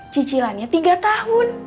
cicilannya tiga tahun